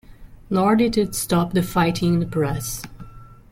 Nor did it stop the fighting in the press.